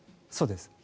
そうです。